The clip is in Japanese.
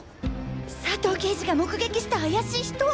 佐藤刑事が目撃した怪しい人！